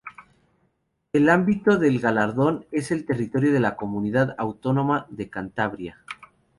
El ámbito del galardón es el territorio de la Comunidad Autónoma de Cantabria.